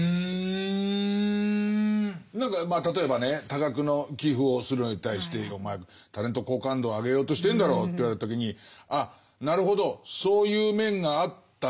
何か例えばね多額の寄付をするのに対して「お前タレント好感度を上げようとしてるんだろう」と言われた時にあなるほどそういう面があったな。